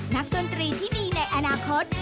ดนตรีที่ดีในอนาคต